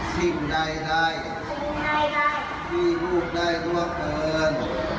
สิ่งใดที่ลูกได้ร่วงเกิน